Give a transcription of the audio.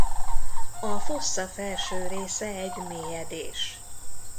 A fossa felső része egy mélyedés.